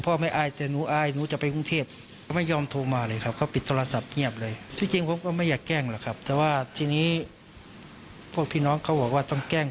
ก็เลยขอเถอะดาวเดาเห็นใจลูกบ้าง